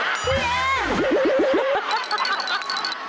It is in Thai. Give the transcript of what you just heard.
พี่เอ